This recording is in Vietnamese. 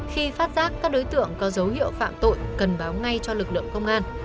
khi phát giác các đối tượng có dấu hiệu phạm tội cần báo ngay cho lực lượng công an